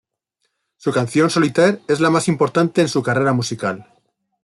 Su canción "Solitaire", es la más importante en su carrera musical.